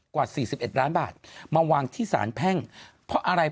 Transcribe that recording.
กว่าสี่สิบเอ็ดล้านบาทมาวางที่สารแพ่งเพราะอะไร